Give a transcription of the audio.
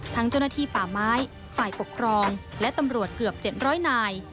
ทั้งเจ้าหน้าที่ป่าไม้ฝ่ายปกครองและตำรวจเกือบ๗๐๐นาย